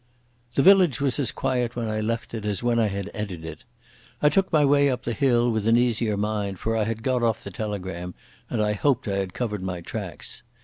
The village was as quiet when I left it as when I had entered. I took my way up the hill with an easier mind, for I had got off the telegram, and I hoped I had covered my tracks.